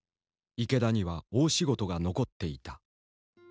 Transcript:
池田には大仕事が残っていた。